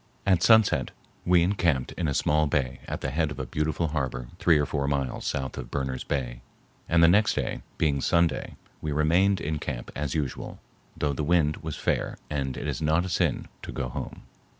At sunset we encamped in a small bay at the head of a beautiful harbor three or four miles south of Berner's Bay, and the next day, being Sunday, we remained in camp as usual, though the wind was fair and it is not a sin to go home.